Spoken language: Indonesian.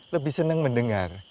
lebih senang mendengar